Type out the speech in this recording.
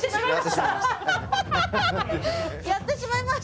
やってしまいました？